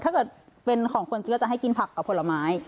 ถ้าเป็นของคนเจียวจะให้กินผักกับผลไม้